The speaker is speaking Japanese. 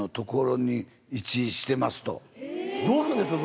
どうすんですか？